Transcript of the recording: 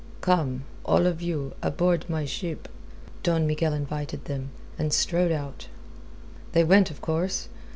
"Come you all of you aboard my ship," Don Miguel invited them, and strode out. They went, of course.